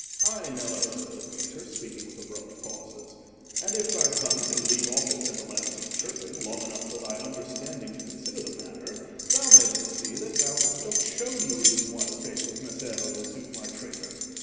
'" "Ay, Nello," said the painter, speaking with abrupt pauses; "and if thy tongue can leave off its everlasting chirping long enough for thy understanding to consider the matter, thou mayst see that thou hast just shown the reason why the face of Messere will suit my traitor.